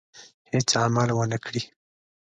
هېڅ عمل ونه کړي.